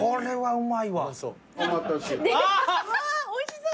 うわおいしそう！